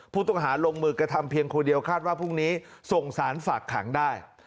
ผู้ต้องหาลงมือกระทำเพียงคนเดียวคาดว่าพรุ่งนี้ส่งสารฝากขังได้